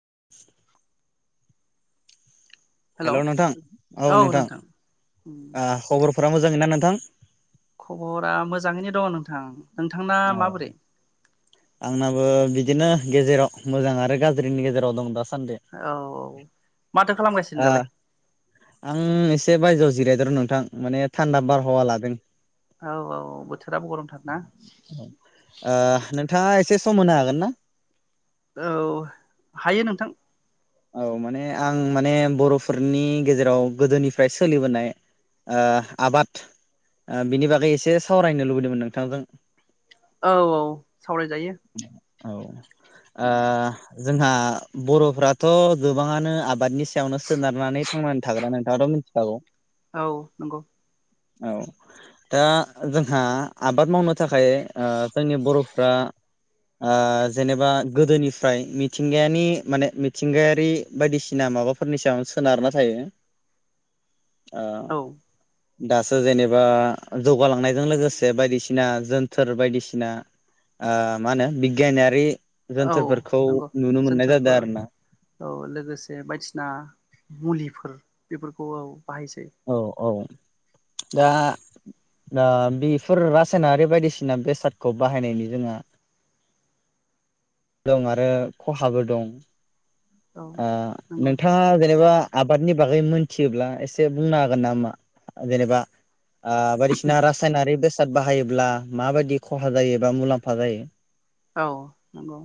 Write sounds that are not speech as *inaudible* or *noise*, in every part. *inaudible* Hello नोंथां औ नोंथां ओ खबरफोरा मोजाङै ना नों थां खबरा मोजाङैनो दङ नोंथां। नोंथांना औ माबोरै आंनाबो बिदिनो गेजेराव मोजां आरो गाज्रिनि गेजेराव दं दासान सान्दै औ माथो खालामगासिनो ओ दालाय आं इसे बायजोयावस जिरायदो र' नोंथां माने थान्दा बारहावा लादों। औ औ बोथोराबो गरमथार ना। नोंथाङा एसे सम होनो हागोन ना? औ हायो नोंथां। औ माने आं माने बर'फोरनि गेजेराव गोदोनिफ्राय सोलिबोनाय ओ आबाद ओ बेनि बागै एसे सावरायनो लुबैदोंमोन नोंथांजों। औ औ सावरायजायो। औ ओ जोंहा बर'फ्रा थ गोबाङानो आबादनि सायावनो सोनारनानै थांनानै थाग्रा नोंथाङाथ' मिथिखागौ। थ औ नंगौ। औ दा जोंहा आबाद मावनो थाखाय ओ जोंनि बर'फ्रा ओ जेनेबा गोदोनिफ्राय मिथिंगायानि माने मि मिथिंगायारि बायदिसिना माबाफोरनि सायावनो सोनारना थायो। ओ औ दासो जेनेबा जौगालांनायजों लोगोसे बायदिसिना जोनथोर बायदिसिना ओ मा होनो बिगियानारि औ जोनथोरफोरखौ नंगौ नुनो मोननाय जादों जोनथोरफोर आरो ना। औ लोगोसे बायदिसिना मुलिफोर बेफोरखौ औ बाहायसै औ औ दा दा बेफोर रासायनारि बायदिसिना बेसादखौ बाहायनायनि जोंहा दं आरो खहाबो दं। औ आ नंगौ नोंथाङा जेनेबा आबादनि बागै मोनथियोब्ला एसे बुंनो हागोन नामा जेनेबा? आ बायदिसिना रासायनारि बेस साद बाहायोब्ला माबायदि खहा जायोबा मुलाम्फा जायो? औ नंगौ।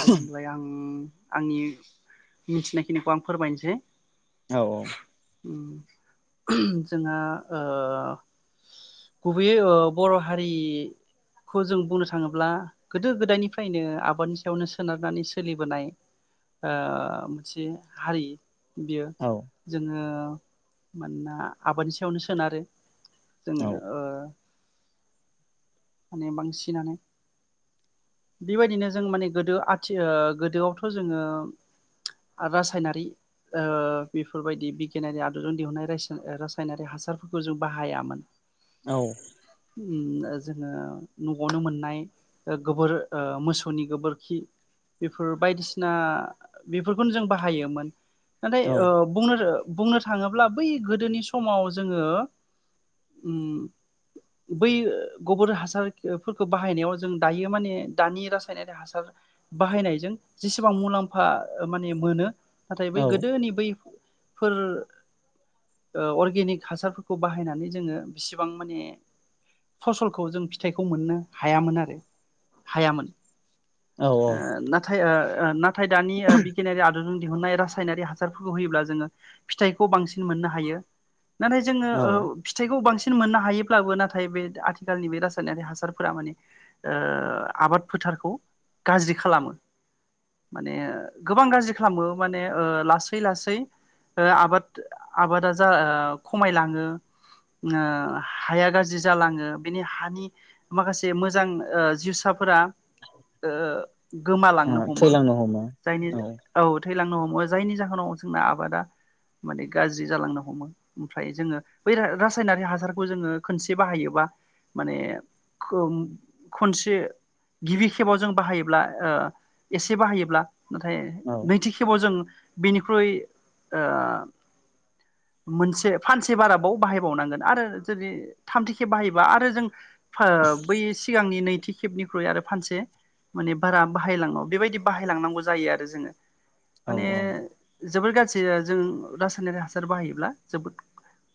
दे होमालाय आं आंनि मिथिनायखिनिखौ आं फोरमायनोसै औ औ। उम जोंहा ओ गुबैयै ओ बर' हारिखौ जों बुंनो थाङोब्ला गोदो गोदायनिफ्रायनो आबादनि सायावनो सोनारनानै सोलिबोनाय ओ मोनसे हारि। बियो औ जोङो मानोना आबादनि सायावनो सोनारो जोङो औ ओ माने बांसिनानो बेबायदिनो जों माने गोदो आथि ओ गोदोयावथ' जोङो रासायनारि ओ बेफोरबायदि बिगियानारि आदबजों दिहुननाय रासायन रासायनारि हासारफोरखौ जों बाहायामोन। औ। उम जोङो नयावनो मोननाय ओ गोबोर ओ मोसौनि गोबोरखि बेफोर बायदिसिना बेफोरखौनो जों बाहायोमोन। नाथाय औ ओ बुंनोरो बुंनो थाङोब्ला बै गोदोनि समाव जोङो ओम बै गबर हासारफोरखौ बाहायनायाव जों दायो माने दानि रासायनारि हासार बाहायनायजों जेसेबां मुलाम्फा माने मोनो नाथाय बै औ गोदोनि बै फोर ओ अर्गेनिक हासारफोरखौ बाहायनानै जोङो बेसेबां माने फसलखौ जों फिथाइखौ मोननो हायामोन आरो हायामोन। औ ओ औ नाथाय ओ ओ ना थाय दानि बिगियानारि आदबजों दिहुननाय रासायनारि हासारफोरखौ होयोब्ला जोङो फिथाइखौ बांसिन मोननो हायो। नाथाय जोङो औ ओ फिथाइखौ बांसिन सिन मोननो हायोब्लाबो नाथाय बे आथिखालनि बे रासायनारि हासारफोरा माने ओ आबाद फोथारखौ गाज्रि खालामो माने गोबां गाज्रि खालामो माने ओ लासै लासै आबाद आबादा जा खमायलाङो ओ हाया गाज्रि जालाङो बेनि हानि माखासे मोजां ओ जिउसाब फोरा ओ गोमालांनो ओ हमो थैलांनो हमो जायनि औ थैलांनो हमो जायनि जाहोनाव जोंना आबादा माने गाज्रि जालांनो हमो ओमफ्राय जोङो बै रासायनारि हासारखौ जोङो खनसे बाहायोबा माने खोम खनसे गिबि खेबाव जों बाहायोब्ला ओ एसे बाहायोब्ला नाथाय औ नैथि खेबाव जों बिनिख्रुइ ओ मोनसे फानसे बाराबाव बाहायबावनांगोन आरो जुदि थामथि खेब बाहायबा आरो जों फोर बै सिगांनि नै खेबनिख्रुय आरो फानसे माने बारा बाहायलङो बेबायदि बाहायलांनांगौ जायो आरो जोङो। औ माने जोबोर गाज्रि जों रासायनारिक हासार बाहायोब्ला जोबोद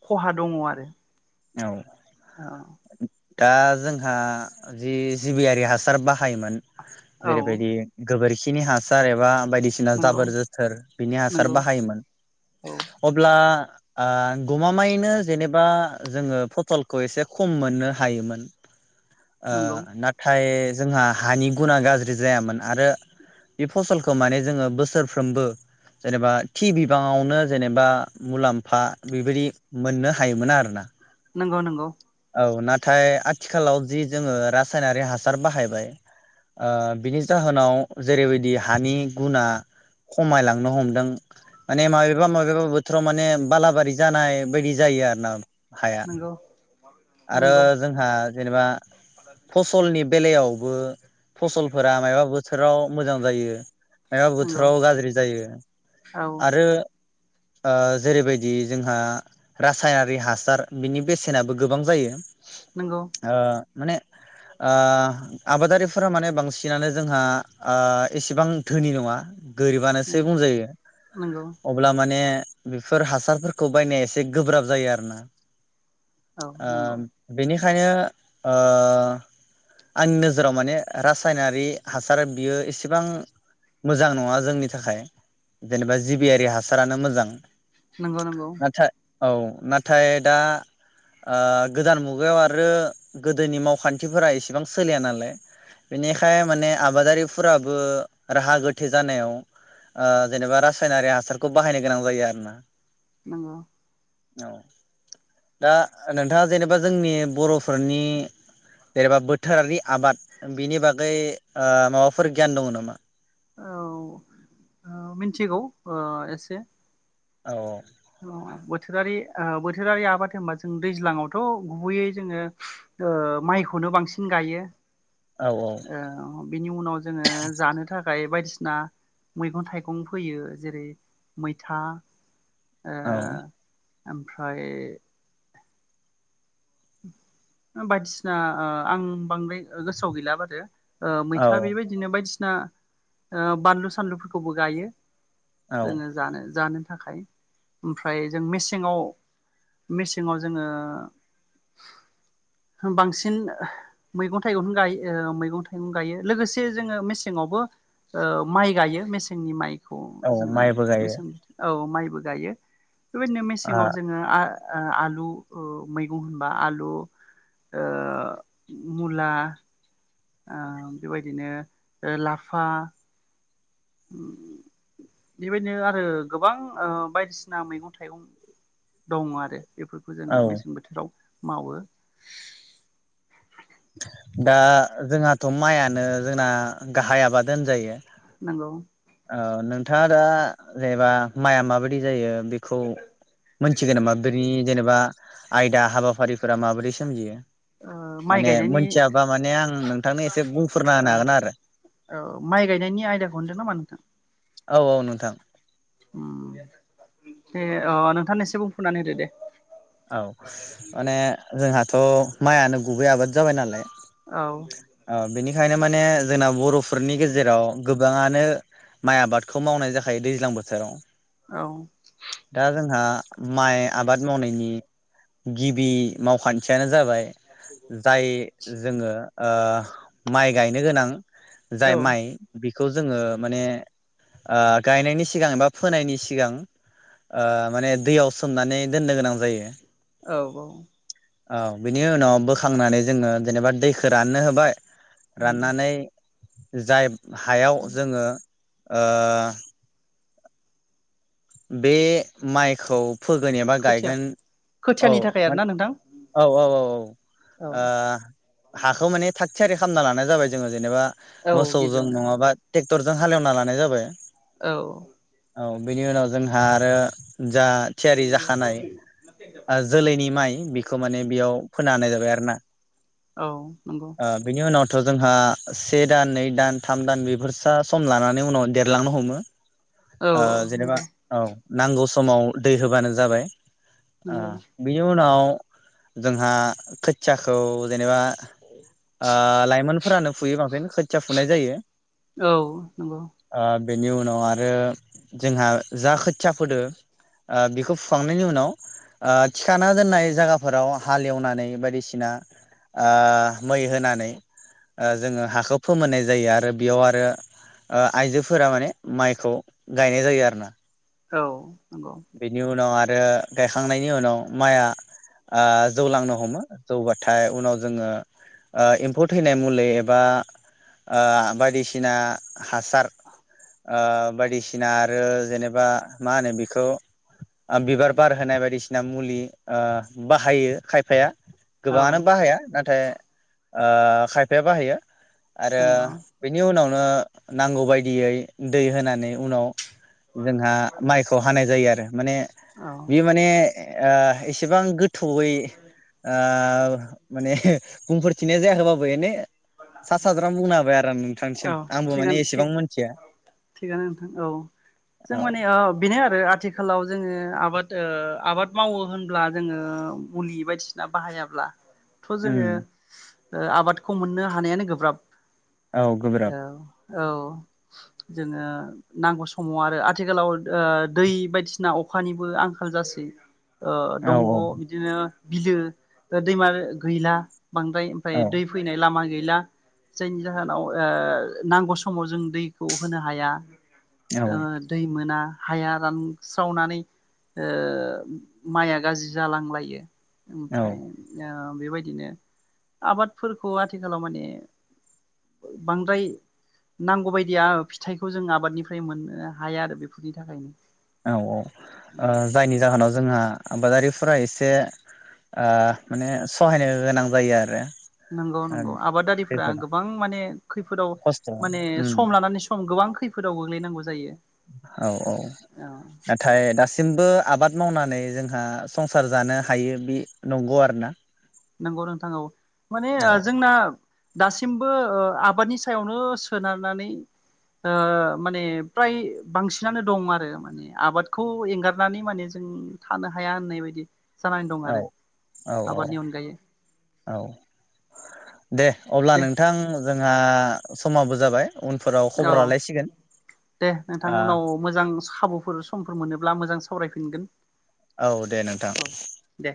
खहा दङ आरो। औ औ। दा जोंहा जि जिबियारि हासार बाहायोमोन औ जेरैबायदि गोबोरखि बिदिनि हासार एबा बायदिसिना नंगौ जाबोर जोथोर बिनि हासार नंगौ बाहायोमोन औ अब्ला आ गमामायैनो जेनेबा जोङो फटलखौ एसे खम मोननो हायोमोन। ओ नंगौ नाथाय जोंहा हानि गुना गाज्रि जायामोन आरो बे फसलखौ माने जोङो बोसोरफ्रोमबो जेनेबा थि बिबाङावनो जेनेबा मुलाम्फा बेबायदि मोननो हायोमोन आरोना नंगौ नंगौ औ नाथाय आथिखालाव जि जोङो रासायनारि हासार बाहायबाय ओ बिनि जाहोनाव जेरैबायदि हानि गुना खमायलांनो हमदों। माने माबेबा माबेबा बोथ थोराव माने बालाबारि जानाय बायदि जायो आरो ना हाया नंगौ आरो नंगौ जोंहा जेनेबा फसलनि बेलायाव बो फसलफोरा मायबा बोथोराव मोजां जायो मायबा नंगौ बोथोराव गाज्रि जायो औ आरो आ जेरैबायदि जोंहा रासायनारि हासार बिनि बेसेनाबो गोबां जायो नंगौ। ओ माने ओ आबादारिफोरा माने बांसिनानो जोंहा एसेबां धोनि नङा। गोरिबानोसै बुंजायो नंगौ अब्ला माने बेफोर हासारफोरखौ बायनो एसे गोब्राब जायो आरोना। औ आ नंगौ बिनि खायनो ओ आंनि नोजोराव माने रासायनारि हासारा बियो एसेबां मोजां नङा जोंनि थाखाय जेनेबा जिबियारि हासारानो मोजां। नंगौ नंगौ। नाथाय औ नाथाय। दा ओ गोदान मुगायाव आरो गोदोनि मावखान्थिफोरा एसेबां सोलिया नालाय बेनिखाय माने आबादारिफोराबो राहा गोथै जानायाव जेनेबा रासायनारि हासारखौ बाहायनो गोनां जायो आरोना। नंगौ। औ। दा नोंथाङा जेनेबा जोंनि बरफोरनि जेनेबा बोथोरारि आबाद बिनि बागै माबाफोर गियान दङ नामा। औ मिथिगौ एसे। औ। बोथोरारि बोथोरारि आबाद होनबा जों दैज्लावथ गुबैयै जोङो माइखौनो बांसिनै गायो। औ बिनि उनाव जोङो जानो थाखाय। खायाइ बायदिसिना मैगं थाइगं फोयो जेरै मैथा। ओ औ। ओमफ्राय। बायदिसिना ओ आं बांद्राय गोसोआव गैला बार ओ औ मैथा बेबायदिनो बायदि सिना ओ बानलु सानलुफोरखौबो गायो। जोङो औ जानो जानो। थाखाय ओमफ्राय जों मेसेङाव मेसेङाव जोङो बांसिन मैगं थाइगं गायो ओ मैगं थाइगं गायो लोगोसे जोङो मेसेंआवबो ओ माइ गायो मेसेंनि माइ। खौ औ जोङो माइबो गायो मेंसे अ माइ। बो गाइयो। बेबायदिनो ओ मेसेङाव जोङो ओ आलु ओ मैगं। बा आलु ओ मुला। ओ बेबायदिनो ओ लाफा। बेबायदिनो आरो गोबां ओ बायदिसिना मैगं थाइगं दङ आरो। बेफोरखौ जोङो औ मेसें बोथोराव। मावो। दा जोंहाथ माइआनो जोंना गाहाइ आबाद होनजायो। नंगौ औ नोंथाङा दा। जेनेबा माइआ मा बायदि जायो। बेखौ मोनथिगोन नामा बेनि जेनेबा आयदा हाबाफारिफोरा माबोरै सोमजियो? ओ माइ गायनायनि मोनथियाबा माने आं नोंथांनो एसे बुंफोरना होनो हागोन आरो *inaudible* औ माइ गायनायनि आयदाखौ होनदों नामा नोंथां? औ औ नोंथां। उम दे अ नोंथांनिसो बुंफोरनानै होदो दे । औ माने जोंहाथ माइआानो गुबै आबाद जाबाय नालाय। औ। ओ बेनिखायनो माने जोंना बर'फोरनि गेजेराव गोबां गोबाङानो माइ आबादखौ मावनाय जाखायो दैज्लां बोथोराव। औ दा जोंहा माइ आबाद मावनायनि। गिबि मावखान्थियानो जाबाय जाय जोङो ओ माइ गायनो गोनां। जाय औ माइ बि बेखौ जोङो माने ओ गायनायनि सिगां एबा फोनायनि सिगां ओ माने दैयाव सोमनानै दोन्नो गोनां जायो । औ औ। औ बिनि उनाव बोखांनानै जोङो जेनेबा दैखौ रान्नो होबाय उम रान्नानै जाय हायाव जोङो ओ बे मायखौ फोगोन एबा खोथिया गायगोन औ खोथियानि थाखाय मान आरोना नोंथां औ औ औ औ औ ओ हाखौ माने थाग थियारि खालामना लानाय जाबाय जोङो जेनेबा औ मोसौजों गिबियावनो नङाबा टे क्टरजों हालेवना लानाय जाबाय औ। औ बिनि उनाव जोंहा आरो जा थियारि जाखानाय जोलैनि माय बेखौ माने बेयाव फोनो हानाय जाबाय आरो ना औ नोंगौ। थ जोंहा से दान नै दान थाम दान बेफोरसा सम लानानै उनाव देरलांनो हमो औ ओ औ जेनेबा नंगौ। औ नांगौ समाव दै होबानो जाबाय आ नंगौ बिनि उनाव जोंहा खोथियाखौ जेनेबा ओ लाइमोनफोरानो फुयो बांसिन खोथिया फुनाय जायो औ नंगौ ओ बेनि उनाव आरो जोंहा जा खोथिया फोदो ओ बेखौ फुखांनायनि उनाव ओ थिखाना दोन्नाय जागाफोराव हालेवनानै बायदिसिना ओ मै होनानै ओ जोङो हाखौ फोमोन्नाय जायो आरो बेयाव आरो आइजोफोरा माने मायखौ गायनाय जायो आरोना। औ। नंगौ बेनि उनाव ओ गायखांनायनि उनाव मायआ ओ जौलांनो हमो जौबाथाय उनाव जोङो ओ एम्फौ थैनाय मुलि एबा ओ बायदिसिना हासार ओ बायदिसिना आरो जेनेबा मा होनो बेखौ बिबार बारहोनाय बायदिसिना मुलि ओ बाहायो खायफाया औ गोबाङानो बाहाया ना थाय ओ खायफाया बाहायो। आरो नंगौ बेनि उनाव नो नांगौ बायदियै दै होनानै उनाव जोंहा मायखौ हानाय जायो आरो माने औ बेयो माने ओ एसेबां गोथौयै ओ माने बुंफोर *unintelligible* जायाखैबाबो एने औ आंबो माने थिगानो एसेबां थिग मोनथिया थिगानो नोंथां औ जों औ माने ओ बेनो आरो आथिखालाव जोङो आबाद ओ आबाद मावो होनब्ला जोङो मुलि बायदिसिना बाहायाब्ला थ उम जोङो आबाद खौ मोननो हानायानो गोब्राब औ गोब्राब औ औ जोङो नांगौ समाव आरो आथिखालाव ओ दै बायदिसिना अखानिबो आंखाल जासै ओ औ दंग बिदिनो बिलो दैमा गैला। बांद्राय ओमफ्राय औ दै फैनाय लामा गैला जायनि जाहोनाव ओ नांगौ समाव जों दैखौ होनो हाया औ ओ दै मोना हाया रानस्रावनानै ओ माइआ गाज्रि जालांलायो। औ ओमफ्राय ओ बेबायदिनो आबाद फोरखौ आथिखालाव माने बांद्राय नांगौ बायदिया फिथाइखौ जों आबादनिफ्राय मोननो हाया आरो बेफोरनि थाखायनो। औ औ ओ जायनि जाहोनाव जोंहा आबादारि फ्रा एसे आ माने सहायनो गोनां जायो आरो । नोंगौ नोंगौ आबादारिफोरा गोबां माने खैफोदाव खस्थ' माने उम सम लानानै सम गोबां । खैफोदाव गोग्लैनांगौ जायो औ औ औ नाथाय दासिमबो आबाद मावनानै जोंहा संसार जानो हायो बि नंगौ आरोना । नोंगौ नोंथां औ माने जोंना दासिमबो आबादनि सायावनो सोनारनानै ओ माने फ्राय बांसिनानो दं आरो माने आबादखौ एंगारनानै माने जों थानो हाया होननाय बायदि । जानानै दं औ आरो औ औ आबादनि अन औ । दे अब्ला दे नोंथां जों जोंहा समाबो जाबाय । औ दे ओ नोंथां उनाव मोजां खाबुफोर समफोर मोनोब्ला मोजां सावरायफिनगोन औ दे नोंथां औ । दे